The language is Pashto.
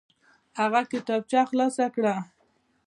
هغه کتابچه خلاصه کړه.